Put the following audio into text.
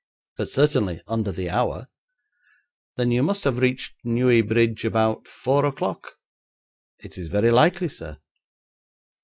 'But certainly, under the hour.' 'Then you must have reached Neuilly bridge about four o'clock?' 'It is very likely, sir.'